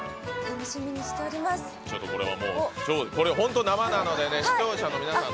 本当、生なので視聴者の皆さん。